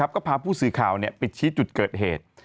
ก็พาผู้สื่อข่าวไปชี้จุดเกิดเหตุ